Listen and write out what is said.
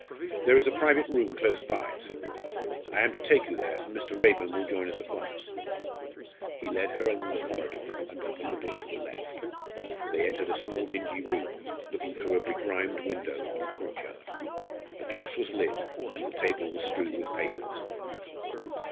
"There is a private room close by," said Wharton, "I am to take you there, and Mr. Raeburn will join us at once." He led her along a corridor, and opened a door to the left. They entered a small dingy room, looking through a begrimed window on a courtyard. The gas was lit, and the table was strewn with papers.